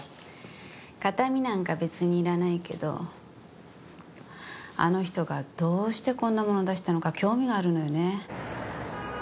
形見なんか別にいらないけどあの人がどうしてこんなもの出したのか興味があるのよね。